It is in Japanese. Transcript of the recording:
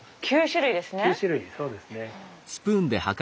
９種類そうですね。